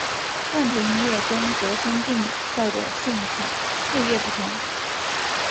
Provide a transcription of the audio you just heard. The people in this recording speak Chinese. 罐头音乐跟度身订造的现场配乐不同。